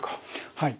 はい。